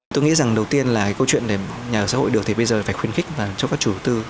tôi nghĩ rằng đầu tiên là câu chuyện để nhà ở xã hội được thì bây giờ phải khuyến khích và cho các chủ tư